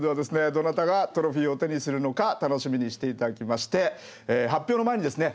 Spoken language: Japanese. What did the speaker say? どなたがトロフィーを手にするのか楽しみにして頂きまして発表の前にですね